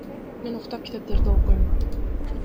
Мен уктап, китептерди окуйм.